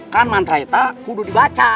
kan mantra kita kudu dibaca